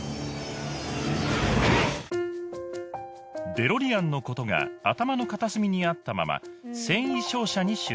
デロリアンのことが頭の片隅にあったまま繊維商社に就職